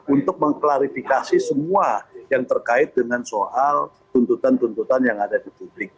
untuk mengklarifikasi semua yang terkait dengan soal tuntutan tuntutan yang ada di publik